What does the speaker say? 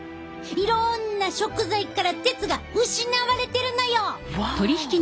いろんな食材から鉄が失われてるのよ！